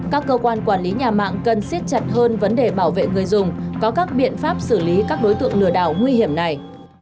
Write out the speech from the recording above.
các cơ quan quản lý nhà mạng cần siết chặt hơn vấn đề bảo vệ người dùng có các biện pháp xử lý các đối tượng lừa đảo nguy hiểm này